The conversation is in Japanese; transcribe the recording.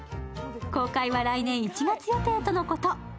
公開は来年１月予定とのこと。